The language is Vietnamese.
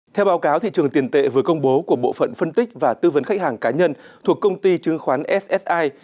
theo báo cáo thị trường tiền tệ vừa công bố của bộ phận phân tích và tư vấn khách hàng cá nhân thuộc công ty chứng khoán ssi